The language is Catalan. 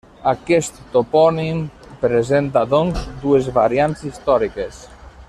Aquest topònim presenta, doncs, dues variants històriques.